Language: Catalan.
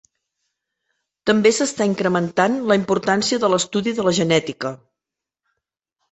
També s'està incrementant la importància de l'estudi de la genètica.